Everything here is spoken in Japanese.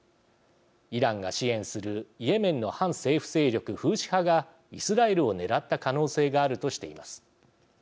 イランが支援するイエメンの反政府勢力・フーシ派がイスラエルを狙った可能性があるとしています。